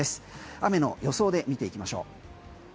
雨の予想で見ていきましょう。